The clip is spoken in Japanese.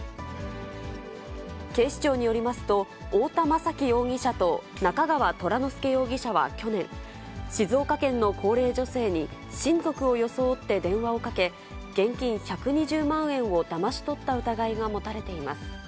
警視庁によりますと、太田雅揮容疑者と中川虎乃輔容疑者は去年、静岡県の高齢女性に親族を装って電話をかけ、現金１２０万円をだまし取った疑いが持たれています。